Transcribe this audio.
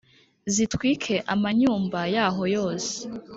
zitwike amanyumba yaho yose